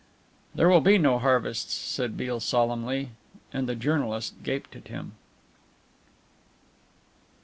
"There will be no harvests," said Beale solemnly; and the journalist gaped at him.